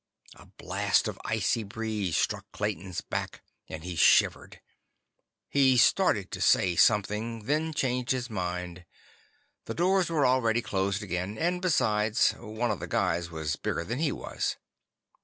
A blast of icy breeze struck Clayton's back, and he shivered. He started to say something, then changed his mind; the doors were already closed again, and besides, one of the guys was bigger than he was.